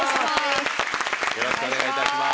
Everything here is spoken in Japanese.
よろしくお願いします。